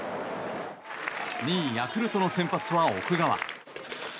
２位ヤクルトの先発は奥川。